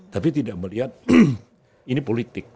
tapi tidak melihat ini politik